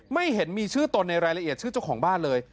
ไม่เห็นมีชื่อตนในรายละเอียดชื่อเจ้าของบ้านเลย